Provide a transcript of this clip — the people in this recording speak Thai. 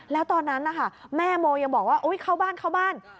แล้วตอนนั้นแม่โมยังบอกว่าเข้าบ้าน